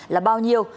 là bao nhiêu